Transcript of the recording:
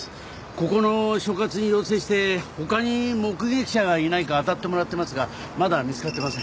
ここの所轄に要請して他に目撃者がいないか当たってもらってますがまだ見つかってません。